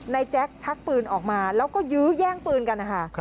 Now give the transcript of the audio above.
แจ๊คชักปืนออกมาแล้วก็ยื้อแย่งปืนกันนะคะ